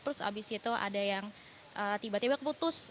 terus abis itu ada yang tiba tiba keputus